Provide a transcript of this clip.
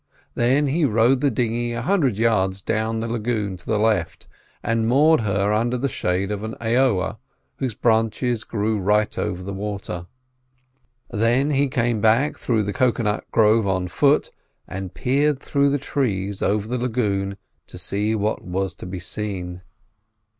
Then he rowed the dinghy a hundred yards down the lagoon to the left, and moored her under the shade of an aoa, whose branches grew right over the water. Then he came back through the cocoa nut grove on foot, and peered through the trees over the lagoon to see what was to be seen.